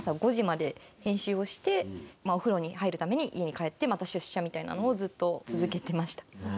お風呂に入るために家に帰ってまた出社みたいなのをずっと続けてました。